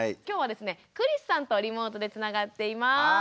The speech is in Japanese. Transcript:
きょうはですね栗栖さんとリモートでつながっています。